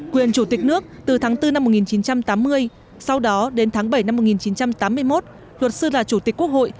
quyền chủ tịch nước từ tháng bốn năm một nghìn chín trăm tám mươi sau đó đến tháng bảy năm một nghìn chín trăm tám mươi một luật sư là chủ tịch quốc hội